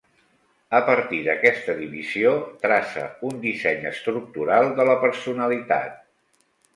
A partir d'aquesta divisió, traça un disseny estructural de la personalitat.